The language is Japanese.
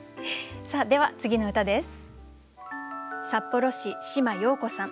さあでは次の歌です。